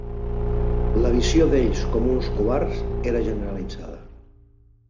La visió d'ells com uns covards era generalitzada.